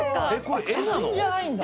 これ絵なの？